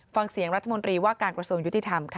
ฟังเสียงรัฐมนตรีว่าการกระทรวงยุติธรรมค่ะ